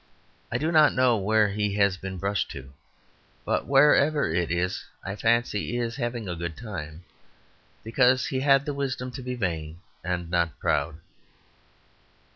I do not know where he has been brushed to, but wherever it is I fancy he is having a good time, because he had the wisdom to be vain, and not proud.